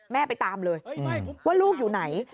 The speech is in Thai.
ไปตามเลยว่าลูกอยู่ไหน